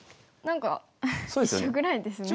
何か一緒ぐらいですね。